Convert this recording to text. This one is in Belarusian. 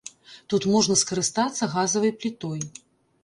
Тут можна скарыстацца газавай плітой.